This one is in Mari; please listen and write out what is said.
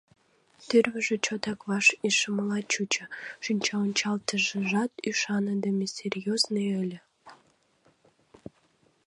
Тӱрвыжӧ чотак ваш ишымыла чучо, шинчаончалтышыжат ӱшаныдыме-серьёзный ыле.